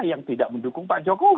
yang tidak mendukung pak jokowi